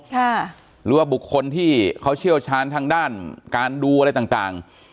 หรือว่าบุคคลที่เขาเชี่ยวชาญทางด้านการดูอะไรต่างต่าง